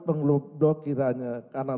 pengeluh dohiranya karena